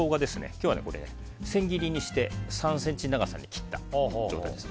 今日は千切りにして３ｃｍの長さに切った状態です。